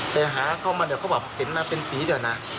ไปหาเขามาเนี่ยเขาบอกเห็นมาเป็นปีเดี๋ยวน่ะ